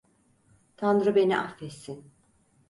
Tanrı beni affetsin.